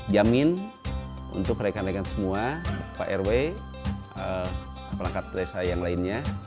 jamin untuk rekan rekan semua pak rw perangkat desa yang lainnya